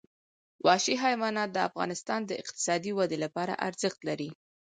وحشي حیوانات د افغانستان د اقتصادي ودې لپاره ارزښت لري.